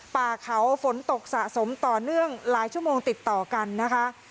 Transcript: ป่าเขาฝนตกสะสมต่อเนื่องหลายชั่วโมงติดต่อกันนะคะ